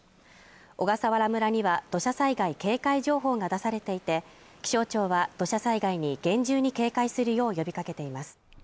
小笠原村には土砂災害警戒情報が出されていて気象庁は土砂災害に厳重に警戒するよう呼びかけています